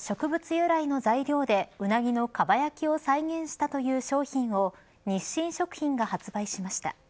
由来の材料でウナギのかば焼きを再現したという商品を日清食品が発売しました。